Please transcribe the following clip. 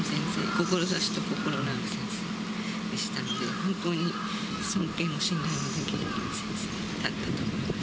志と心のある先生でしたので、本当に尊敬も信頼もできる先生だったと思ってます。